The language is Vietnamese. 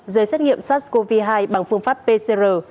giấy xét nghiệm sars cov hai bằng phương pháp pcr